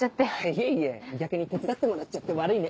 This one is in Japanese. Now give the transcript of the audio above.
いえいえ逆に手伝ってもらっちゃって悪いね。